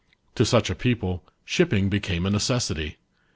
i To such a people, shipping became a necessity.